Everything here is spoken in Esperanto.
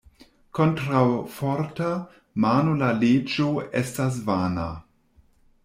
Kontraŭ forta mano la leĝo estas vana.